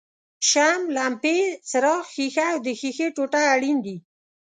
شمع، لمپې څراغ ښيښه او د ښیښې ټوټه اړین دي.